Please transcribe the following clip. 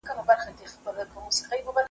خدای ورکړی وو کمال په تول تللی ,